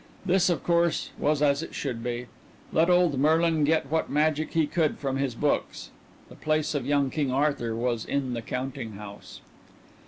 This, of course, was as it should be. Let old Merlin get what magic he could from his books the place of young King Arthur was in the counting house.